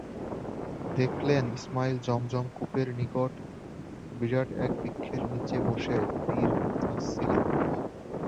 দেখলেন, ইসমাঈল যমযম কূপের নিকটে বিরাট এক বৃক্ষের নিচে বসে তীর চাছছিলেন।